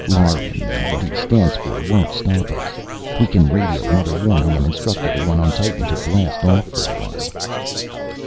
Lauren, and what he stands for, won't stop us. We can radio another warning and instruct everyone on Titan to blast off for a while."